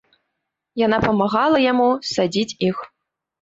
Яна памагала яму садзіць іх.